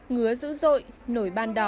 ngứa dữ dội nổi ban đỏ